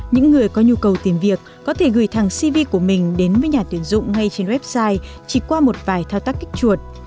những người có nhu cầu tìm việc có thể gửi thằng cv của mình đến với nhà tuyển dụng ngay trên website chỉ qua một vài thao tác kích chuột